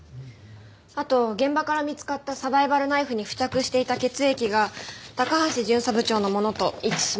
あと現場から見つかったサバイバルナイフに付着していた血液が高橋巡査部長のものと一致しました。